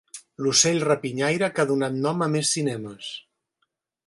L'ocell rapinyaire que ha donat nom a més cinemes.